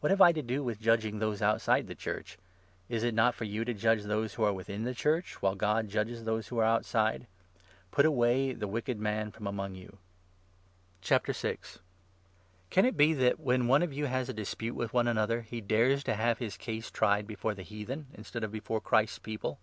What have I to do 12 with judging those outside the Church ? Is it not for you to judge those who are within the Church, while God 13 judges those who are outside ?' Put away the wicked man from among you.' Lawsuit* Can it be that, when one of you has a dispute i b«twe«n with another, he dares to have his case tried Christians, before the heathen, instead of before Christ's People